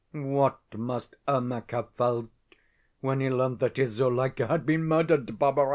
What must Ermak have felt when he learnt that his Zuleika had been murdered, Barbara?